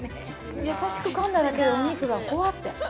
優しくかんだだけでお肉がほわって。